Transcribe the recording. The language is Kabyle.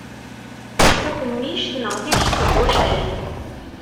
Takemmict neɣ tirect n wurfan.